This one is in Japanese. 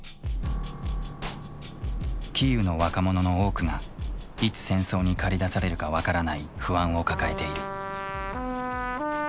キーウの若者の多くがいつ戦争に駆り出されるか分からない不安を抱えている。